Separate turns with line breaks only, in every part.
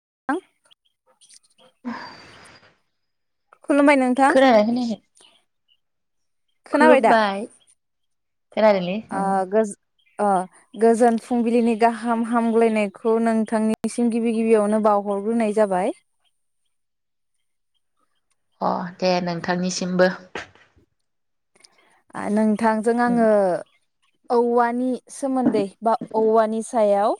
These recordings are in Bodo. [inaudible]
[unintelligible]
खुलुमबाय नोंथां?
खोनादों खोनायाखै खुलुमबाय। खोनादोंलै
औ गोज अ गोजोन फुंबिलिनि गाहाम हामग्लायनायखौ नोंथांनिसिम गिबि गिबियावनो बावहरग्रोनाय जाबाय।
अ दे नोंथांनिसिमबो।
[unintelligible] नों थांजों
उम
आङो औवानि सोमोन्दै बा औवानि सायाव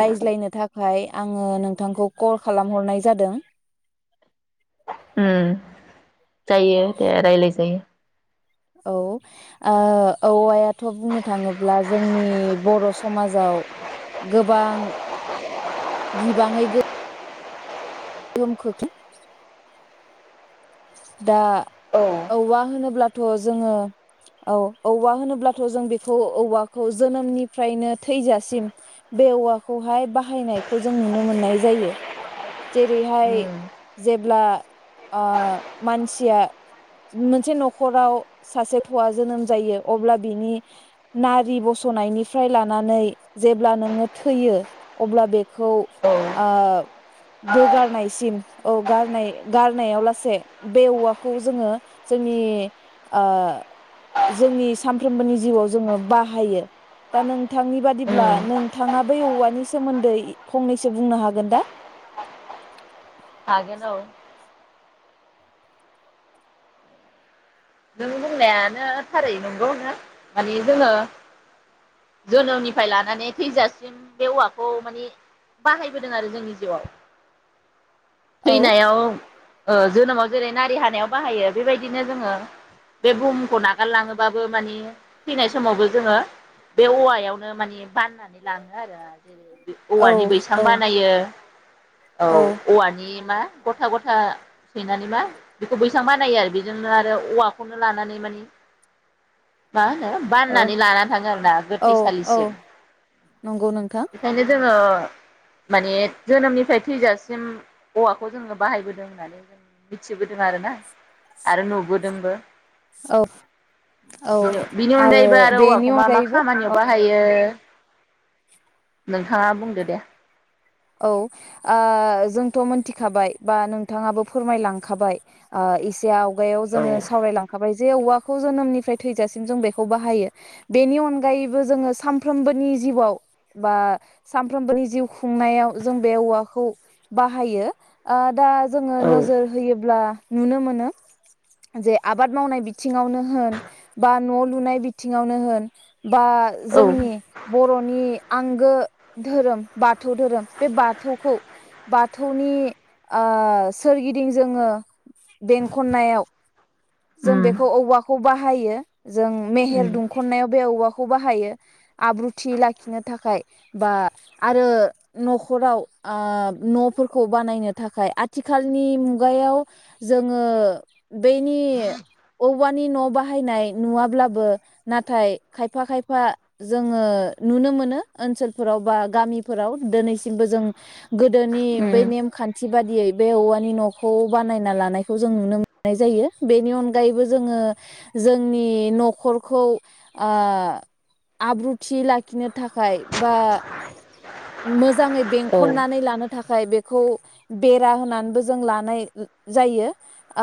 रायज्लायनो थाखाय आङो नोंथांखौ कल खालामहरनाय जादों।
उम जायो दे रायलाय जायो।
औ ओ औ ओ थ बुंनो थाङोब्ला जोंनि बर' समाजाव गोबां बिबाङै गोहोम खोख्लै [inaudible] दा
औ
औवा होनोब्ला, थ' जोङो औ औवा होनोब्लाथ' जों बेखौ औवाखौ जोनोमनिफ्रायनो थैजासिम बे औवाखौहाय बाहायनायखौ जों नुनो मोननाय जायो, जेरैहाय
उम
जेब्ला ओ मानसिया मोनसे न'खराव सासे थवा जोनोम जायो अब्ला बिनि नारि बसनायनिफ्राय लानानै जेब्ला नोङो थैयो अब्ला बेखौ
औ
ओ बोगारनायसिम औ गारनाय गारनायाव लासे बे औवाखौ जोङो जोंनि ओ जोंनि सामफ्रोमबोनि जिउआव जोङो बाहायो दा नोंथांनि बादिब्ला
उम
नोंथाङा बेै औवानि सोमोन्दै फंनैसो बुंनो हागोन दा? [inaudible]
हागोन औ नों बुंनायानो थारै नंगौनो माने जोङो जोनोमनिफ्राय लानानै थैजासिम बे औवाखौ माने बाहायबोदों आरो जोंनि जिउआव,
औ
थैनायाव ओ जोनोमाव जेरै नारि हानायाव बाहायो बेबायदिनो जोङो, बे बुहुमखौ नागारलाङोबाबो माने थैनाय समावबो जोङो बे औवायावनो माने, बाननानै लाङो आरो जेरै
औ
औवानि बैसां
औ
बानायो औ औवानि मा, गथा गथा सैनानै मा बेखौ बैसां बानायो आरो बेजोंनो आरो औवा, खौनो लानानै मानि मा होनो
औ
बाननानै लानानै थाङो आरोना
औ औ
गोथैसालिसिम
नंगौ नोंथां
बेखायनो जोङो, माने जोनोमनिफ्राय थैजासिम औवाखौ जोङो बाहायबोदों होननानै जों मिथिबोदों आरोना, आरो नुबोदोंबो,
औ औ
[inaudible] बिनि अनगायैबो आरो
बेनि
औवाखौ मा मा
अनगायैबो औ
खामानियाव बाहायो? [inaudible] नोंथाङा बुंदो दे
औ ओ जोंथ' मोनथिखाबाय बा नोंथाङाबो फोरमायलांखाबाय ओ एसेयाव खुगायाव
औ
जोङो सावरायलांखाबाय जे औवाखौ जोनोमनिफ्राय थैजासिम जों बेखौ बाहायो बेनि अनगायैबो जोङो सानफ्रोमबोनि जिउआव बा सानफ्रोमबोनि जिउ खुंनायाव, जों बे औवाखौ बाहायो ओ दा, जोङो
औ
नोजोर होयोब्ला नुनो मोनो जे आबाद मावनाय बिथिङावनो होन बा न' लुनाय बिथिङावनो होन, बा जोंनि बर'नि आंगो धोरोम बाथौ धोरोम बे बाथौखौ बाथौनि ओ सोरगिदिं जोङो बेंखननायाव जों
उम
बेखौ औवाखौ बाहायो जों
उम
मेहेर दुंखननायाव बे औवाखौ खौ बाहायो आब्रुथि लाखिनो थाखाय बा आरो, न'खराव ओ न'फोरखौ बानायनो थाखाय आथिखालनि मुगायाव जोङो बेनि औवानि न' बाहायनाय नुवाब्लाबो नाथाय खायफा खायफा जोङो नुनो मोनो ओनसोलफोराव बा गामिफोराव, दोनैसिमबो जों गोदोनि बै
उम
नेमखान्थि बादियै, बे औवानि न'खौ बानायना लानायखौ जों नुनो मोननाय जायो बेनि अनगायैबो जोङो जोंनि न'खरखौ आ आब्रुथि लाखिनो थाखाय बा मोज मोजाङै
औ
बेंखननानै लानो थाखाय बेखौ बेरा होनानैबो जों लानाय जायो ओ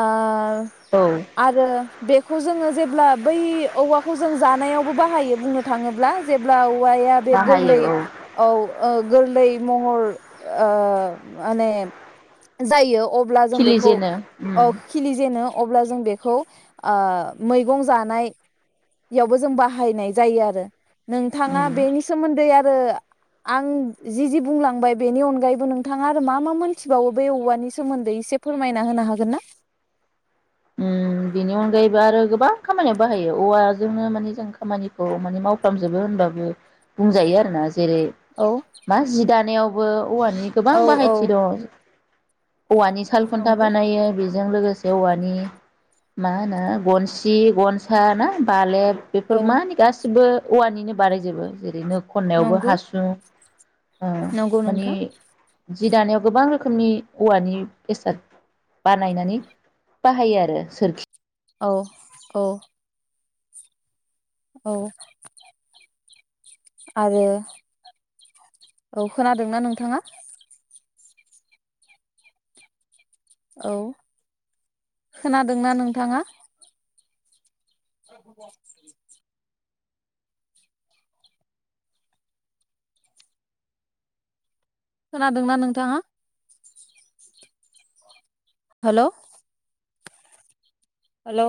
औ
आरो बेखौ जोङो जेब्ला बै औवाखौ जों जानायावबो बाहायो बुंनो थाङोब्ला जेब्ला औ वाया बे
बाहायो
गोरलै
औ
औ ओ गोरलै महर ओ माने जायो। अब्ला जों बेखौ
खिलिजेनो उम
अ खिलि जेनो अब्ला जों बेखौ ओ मैगं जानायावबो जों बाहायनाय जायो आरो नोंथाङा
उम
बेनि सोमोन्दै आरो आं जि जि बुंलांबाय बेनि अनगायैबो नोंथाङा आरो मा मा मोनथिबावो बे औवानि सोमोन्दै एसे फोरमायना होनो हागोन ना?
ओम बेनि अनगायैबो आरो गोबां खामानियाव बाहायो औवाजोंनो माने जों खामानिखौ माने मावफ्रामजोबो होनबाबो बुंजायो आरोना जेरै
औ
मा जि दानायाव बो औवानि गोबां
औ औ
बाहायथि दं। औवानि साल खुन्था
नंगौ
बानायो बेजों लोगो देवानि मा होनो गनसि, गनसा ना बालेब बेफोर माने गासिबो औवानिनो बारायजोबो जेरै नो खननायावबो
नंगौ
हासुं ओ
नंगौ
माने
नोंथां
जि दानायाव गोबां रोखोमनि औवानि बेसाद बानायनानै बाहायो आरो। यो सोरखि
औ औ औ आरो औ खोनादोंना नोंथाङा? औ खोनादोंना नोंथाङा? [unintelligible] खोनादोंना नोंथाङा? होलोव हेलोव